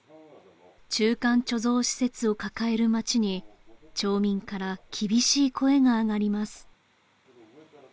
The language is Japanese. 中間貯蔵施設を抱える町に町民から厳しい声があがります